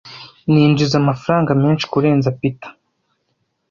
Ninjiza amafaranga menshi kurenza Peter .